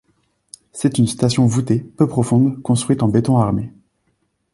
C'est une station voutée, peu profonde, construite en béton armé.